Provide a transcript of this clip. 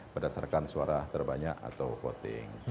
berdasarkan suara terbanyak atau voting